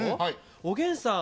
おげんさん